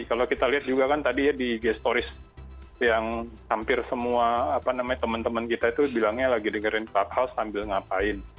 kalau kita lihat juga kan tadi ya di gestoris yang hampir semua apa namanya teman teman kita itu bilangnya lagi dengerin clubhouse sambil ngapain